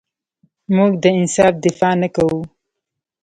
موږ د انصاف دفاع نه کوو.